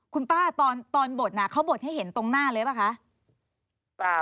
คุณป้าตอนบดเขาบดให้เห็นตรงหน้าเลยป่ะคะ